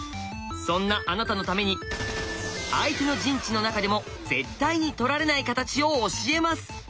そんなあなたのために相手の陣地の中でも絶対に取られない形を教えます。